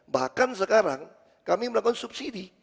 bahkan sekarang kami melakukan subsidi